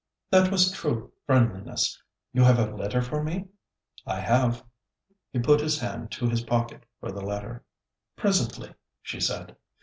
'That was true friendliness. You have a letter for me?' 'I have.' He put his hand to his pocket for the letter. 'Presently,' she said.